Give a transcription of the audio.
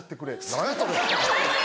「何や⁉それ」。